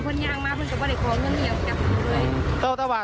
พูดว่าคนอีกก็เห็นเม่าหรือเปล่า